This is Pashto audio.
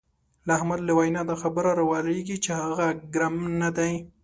د احمد له وینا دا خبره را ولاړېږي چې هغه ګرم نه دی.